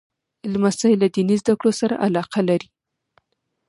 لمسی له دیني زده کړو سره علاقه لري.